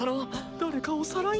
誰かをさらいに？